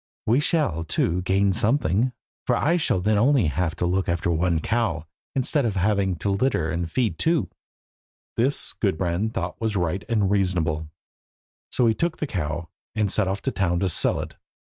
We shall, too, gain something, for I shall then have only to look after one cow, instead of having to litter and feed two." This Gudbrand thought was right and reasonable, so he took the cow, and set off to town to sell it.